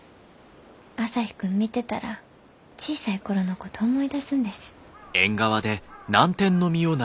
朝陽君見てたら小さい頃のこと思い出すんです。